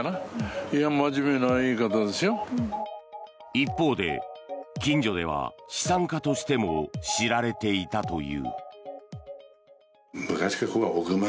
一方で近所では資産家としても知られていたという。